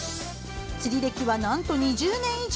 釣り歴は、なんと２０年以上！